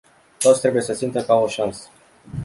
Toți trebuie să simtă că au o șansă.